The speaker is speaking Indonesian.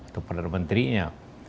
atau perdana menterinya